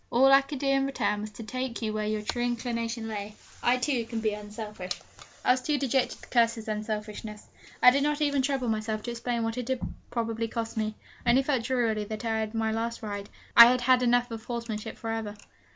All I could do in return was to take you where your true inclination lay. I, too, can be unselfish.' I was too dejected to curse his unselfishness. I did not even trouble myself to explain what it had probably cost me. I only felt drearily that I had had my last ride, I had had enough of horsemanship for ever!